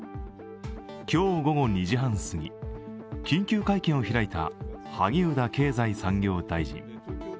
今日午後２時半すぎ緊急会見を開いた萩生田経済産業大臣。